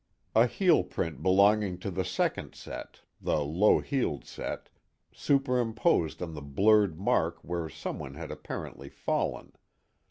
"A heel print belonging to the second set, the low heeled set, superimposed on the blurred mark where someone had apparently fallen.